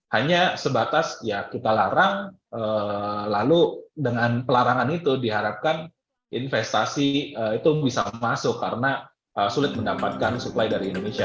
hanya sebatas ya kita larang lalu dengan pelarangan itu diharapkan investasi itu bisa masuk karena sulit mendapatkan supply dari indonesia